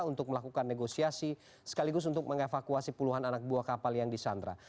untuk melakukan negosiasi sekaligus untuk mengevakuasi puluhan anak buah kapal yang disandra